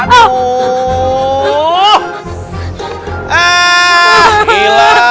ustadz tadi ada